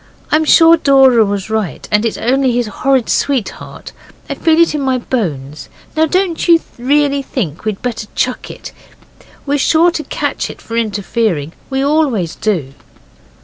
I'm sure Dora was right, and it's only his horrid sweetheart. I feel it in my bones. Now, don't you really think we'd better chuck it; we're sure to catch it for interfering. We always do.